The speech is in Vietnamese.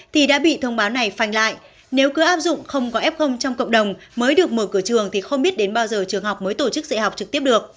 thì đã bị thông báo này phanh lại nếu cứ áp dụng không có f trong cộng đồng mới được mở cửa trường thì không biết đến bao giờ trường học mới tổ chức dạy học trực tiếp được